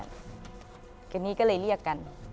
ทีนี้ก็เลยเรียกกัน